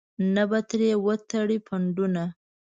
نه به ترې وتړې پنډونه.